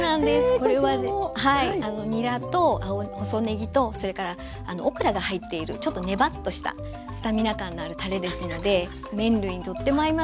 これはにらと細ねぎとそれからオクラが入っているちょっとねばっとしたスタミナ感があるたれですので麺類にとっても合いますから。